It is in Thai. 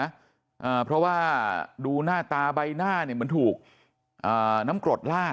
อ่าเพราะว่าดูหน้าตาใบหน้าเนี่ยเหมือนถูกอ่าน้ำกรดลาก